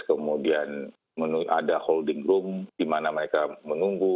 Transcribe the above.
kemudian ada holding room di mana mereka menunggu